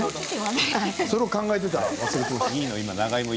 それを考えていたんです。